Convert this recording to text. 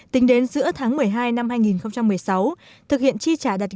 tính đến giữa tháng một mươi hai năm hai nghìn một mươi sáu thực hiện chi trả đạt gần năm mươi một